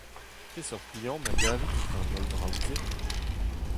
Peseurt liamm a gavit etre an holl draoù-se ?